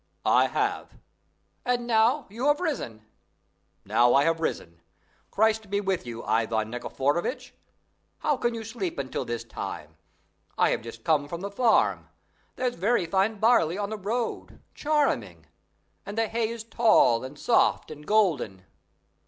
"I have." "And now you have risen?" "Now I have risen. Christ be with you, Ivan Nikiforovitch! How can you sleep until this time? I have just come from the farm. There's very fine barley on the road, charming! and the hay is tall and soft and golden!"